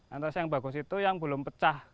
antosa yang bagus itu yang belum pecah